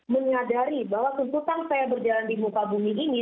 menyadari bahwa tuntutan saya berjalan di muka bumi ini